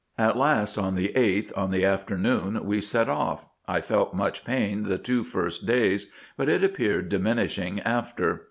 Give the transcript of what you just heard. At last, on the 8th, in the afternoon, we set off. 1 felt much pain the two first days, but it appeared diminishing after.